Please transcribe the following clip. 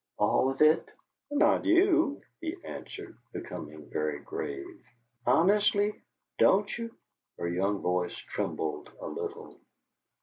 "All of it?" "Not you," he answered, becoming very grave. "Honestly DON'T you?" Her young voice trembled a little.